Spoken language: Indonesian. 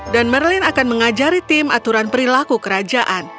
dan merlin akan mengajari tim aturan perilaku kerajaan